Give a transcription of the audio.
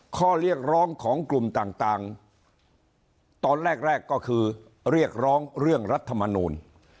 ข้อเรียกร้องของกลุ่มต่างตอนแรกแรกก็คือเรียกร้องเรื่องรัฐมนูล